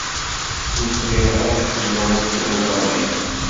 Ur bɣiɣ ara k-yeḍru kra maḍi.